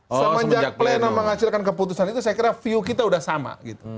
semenjak plena menghasilkan keputusan itu saya kira view kita sudah sama gitu